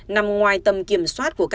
nằm ngoài tầm kiểm soát của ka